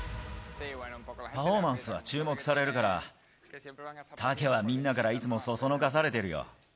パフォーマンスは注目されるから、タケはみんなからいつも唆されてるよ。